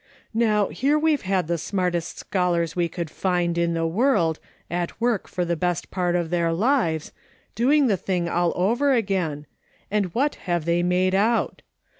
Now here we've had the smartest scholars we could find in the world at work for tl\e best part of their lives, doing the thing all over again, and what have they made out